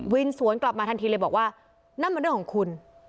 สวนกลับมาทันทีเลยบอกว่านั่นมันเรื่องของคุณ